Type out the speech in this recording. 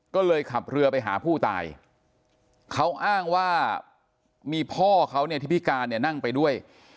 ก็เลยขับเรือไปหาผู้ตายเขาอ้างว่ามีพ่อเขาเนี่ยที่พิการเนี่ยนั่งไปด้วย